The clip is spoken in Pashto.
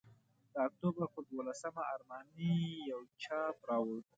د اکتوبر پر دوولسمه ارماني یو چاپ راوړ.